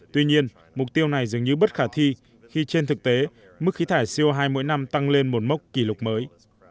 tuy nhiên mục tiêu này dường như bất khả thi khi trên thực tế mức khí thải co hai mỗi năm tăng lên một mốc kỷ lục mới